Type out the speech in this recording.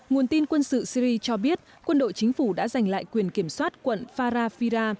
nguồn tin quân sự syri cho biết quân đội chính phủ đã giành lại quyền kiểm soát quận farafira